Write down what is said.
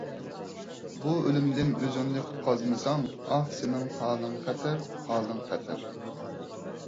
بۇ ئۆلۈمدىن ئۆزۈڭنى قۇتقۇزمىساڭ، ئاھ، سېنىڭ ھالىڭ خەتەر، ھالىڭ خەتەر.